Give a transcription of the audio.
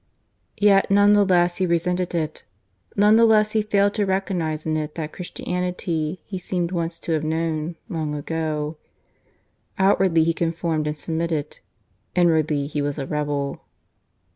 Yet none the less he resented it; none the less he failed to recognize in it that Christianity he seemed once to have known, long ago. Outwardly he conformed and submitted. Inwardly he was a rebel.